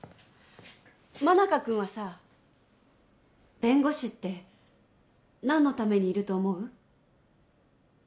真中君はさ弁護士って何のためにいると思う？